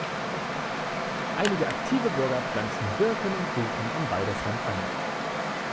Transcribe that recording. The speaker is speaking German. Einige aktive Bürger pflanzen Birken und Buchen am Waldesrand an.